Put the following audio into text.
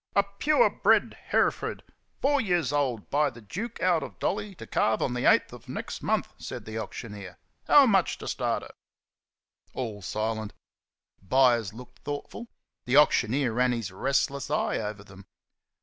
"A pure bred 'Heereford,' four years old, by The Duke out of Dolly, to calve on the eighth of next month," said the auctioneer. "How much to start her?" All silent. Buyers looked thoughtful. The auctioneer ran his restless eyes over them.